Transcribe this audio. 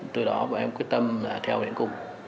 từ đó bọn em quyết tâm theo đến cùng